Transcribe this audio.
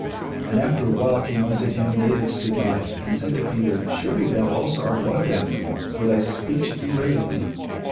And after a while came unto him they that stood by, and said to Peter, Surely thou also art one of them; for thy speech bewrayeth thee.